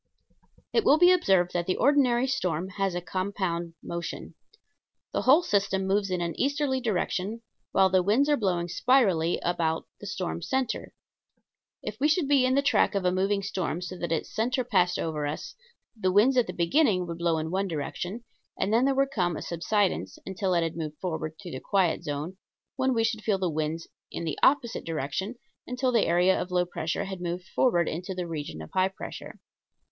It will be observed that the ordinary storm has a compound motion. The whole system moves in an easterly direction, while the winds are blowing spirally about the storm center. If we should be in the track of a moving storm so that its center passed over us the winds at the beginning would blow in one direction and then there would come a subsidence until it had moved forward through the quiet zone, when we should feel the wind in the opposite direction until the area of low pressure had moved forward into the region of high pressure.